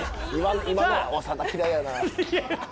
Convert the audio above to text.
今の長田嫌いやな。